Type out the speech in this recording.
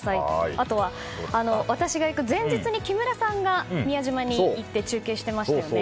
あとは、私が行く前日に木村さんが宮島に行って中継してましたよね。